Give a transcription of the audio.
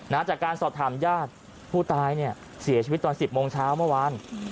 ณจากการสอดทำย่าท่านผู้ตายเสียชีวิตตอน๑๐ทันเช้าเมื่อวาน